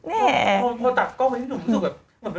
พอตัดกล้องกระพื้นหนุ่มรู้สึกแบบ